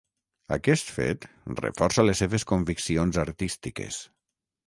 Aquest fet reforça les seves conviccions artístiques.